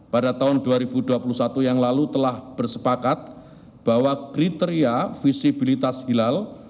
pada tahun dua ribu dua puluh satu yang lalu telah bersepakat bahwa kriteria visibilitas hilal